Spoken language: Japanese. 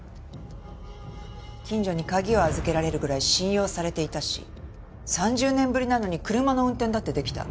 近所に鍵を預けられるぐらい信用されていたし３０年ぶりなのに車の運転だってできた。